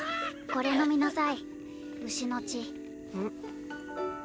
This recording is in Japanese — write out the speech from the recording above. これ飲みなさい牛の血。